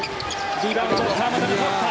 リバウンド、川真田が取った。